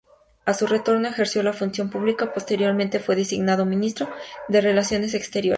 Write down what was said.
A su retorno ejerció la función pública, posteriormente fue designado Ministro de Relaciones Exteriores.